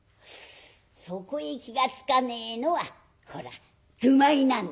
そこへ気が付かねえのはほら愚昧なんだ」。